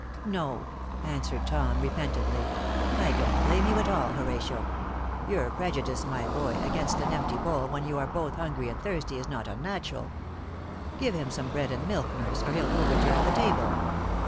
"No," answered Tom, repentantly. "I don't blame you at all, Horatio. Your prejudice, my boy, against an empty bowl when you are both hungry and thirsty is not unnatural. Give him some bread and milk, nurse, or he'll overturn the table.